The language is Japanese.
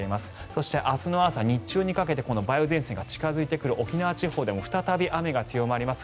そして、明日の朝、日中にかけて梅雨前線が近付いてくる沖縄地方でも再び雨が強まります。